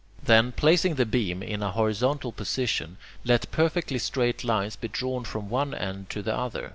Then, placing the beam in a horizontal position, let perfectly straight lines be drawn from one end to the other.